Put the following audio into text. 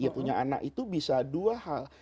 dia punya anak itu bisa dua hal